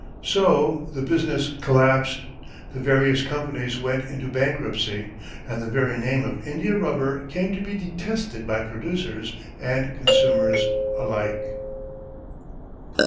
So the business collapsed, the various companies went into bankruptcy, and the very name of India rubber came to be detested by producers and consumers alike.